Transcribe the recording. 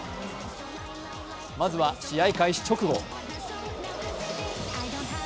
まずは試合開始直後。